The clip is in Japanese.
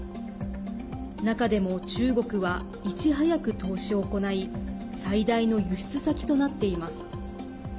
中でも中国はいち早く投資を行い最大の輸出先となっています。